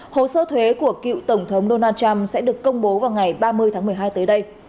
hồ sơ thuế của cựu tổng thống donald trump sẽ được công bố vào ngày ba mươi tháng một mươi hai tới đây